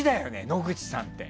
野口さん。